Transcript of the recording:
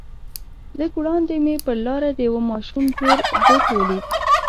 لږ وړاندې مې پر لاره د يوه ماشوم تور بوټ ولېد.